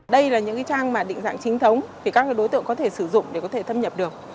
đây là những trang định dạng chính thống thì các đối tượng có thể sử dụng để có thể thâm nhập được